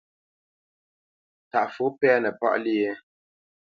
Ntaʼfo pɛ́nə páʼ lyé?